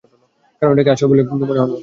কারণ এটাকে আসল বলে মনে হলো।